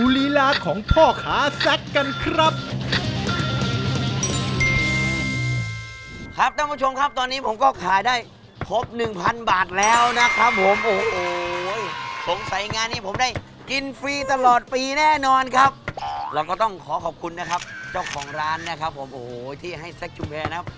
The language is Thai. เราก็ต้องขอขอบคุณนะครับเจ้าของร้านนะครับผมโอ้โหที่ให้แซ็คจูงแพร่นะครับ